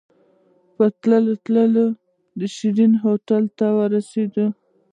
په تلو تلو کې د شيرين هوټل ته ورسېدو.